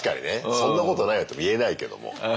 「そんなことないよ」とも言えないけども。